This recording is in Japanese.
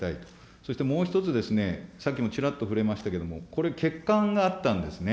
そしてもう１つ、さっきもちらっと触れましたけれども、これ、欠陥があったんですね。